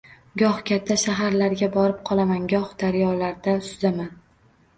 Goh katta shaharlarga borib qolaman, goh daryolarda suzaman.